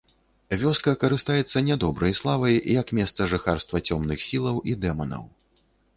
Вёска карыстаецца нядобрай славай як месца жыхарства цёмных сілаў і дэманаў.